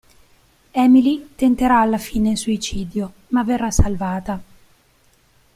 Emily tenterà alla fine il suicidio ma verrà salvata.